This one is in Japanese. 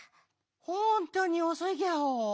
ほんとにおそいギャオ。